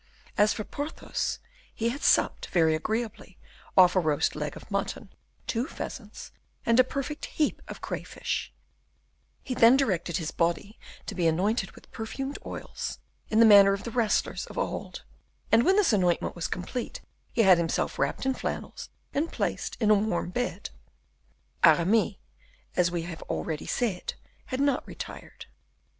As for Porthos, he had supped very agreeably off a roast leg of mutton, two pheasants, and a perfect heap of cray fish; he then directed his body to be anointed with perfumed oils, in the manner of the wrestlers of old; and when this anointment was completed, he had himself wrapped in flannels and placed in a warm bed. Aramis, as we have already said, had not retired.